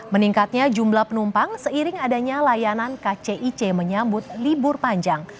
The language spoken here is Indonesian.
meningkatnya jumlah penumpang seiring adanya layanan kcic menyambut libur panjang